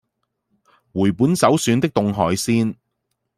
回本首選的凍海鮮